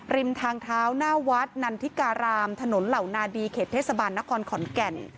ริมทางเท้าหน้าวัดนันทิการามถนนเหล่านาดีเขตเทศบาลนครขอนแก่น